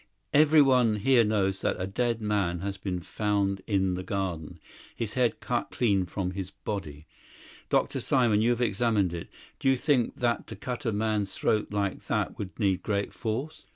"Everyone here knows that a dead man has been found in the garden, his head cut clean from his body. Dr. Simon, you have examined it. Do you think that to cut a man's throat like that would need great force?